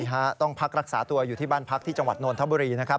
ฮะต้องพักรักษาตัวอยู่ที่บ้านพักที่จังหวัดนทบุรีนะครับ